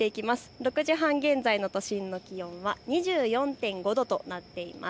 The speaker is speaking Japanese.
６時半現在の都心の気温は２４．５度となっています。